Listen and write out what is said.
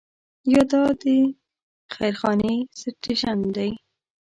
یا دا د خیر خانې سټیشن دی.